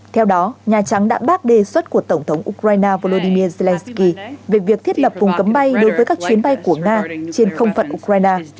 theo đó nhà trắng đã bác đề xuất của tổng thống ukraine volodymyr zelensky về việc thiết lập vùng cấm bay đối với các chuyến bay của nga trên không phận ukraine